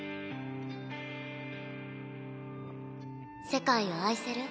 世界を愛せる？